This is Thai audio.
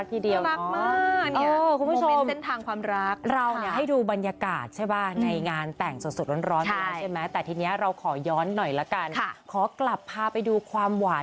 คู่นี้ก็น่ารักทีเดียว